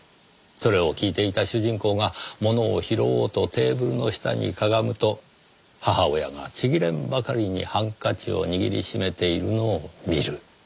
それを聞いていた主人公が物を拾おうとテーブルの下にかがむと母親がちぎれんばかりにハンカチを握りしめているのを見る。